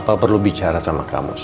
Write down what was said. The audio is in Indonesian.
bapak perlu bicara sama kamu sah